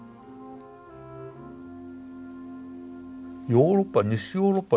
ヨーロッパ西ヨーロッパ